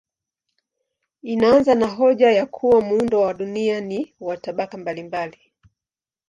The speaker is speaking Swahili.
Inaanza na hoja ya kuwa muundo wa dunia ni wa tabaka mbalimbali.